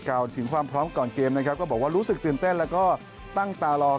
กล่าวถึงความพร้อมก่อนเกมนะครับก็บอกว่ารู้สึกตื่นเต้นแล้วก็ตั้งตารอ